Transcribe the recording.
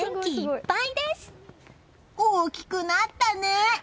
大きくなったね！